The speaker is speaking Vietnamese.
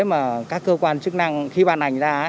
mà các cơ quan chức năng khi ban hành ra